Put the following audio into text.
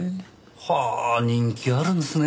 はあ人気あるんですね。